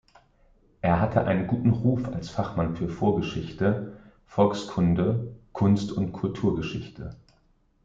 Er hatte einen guten Ruf als Fachmann für Vorgeschichte, Volkskunde, Kunst- und Kulturgeschichte.